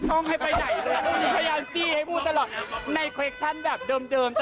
จนจะเปลี่ยนวัยกรณ์เหมือนภาษาอะไรอย่างเนี้ย